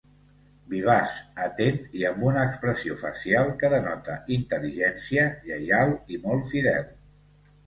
Vivaç, atent i amb una expressió facial que denota intel·ligència, lleial i molt fidel.